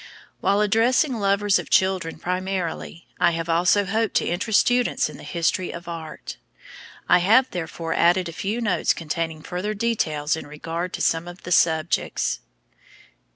While addressing lovers of children primarily, I have also hoped to interest students in the history of art. I have therefore added a few notes containing further details in regard to some of the subjects.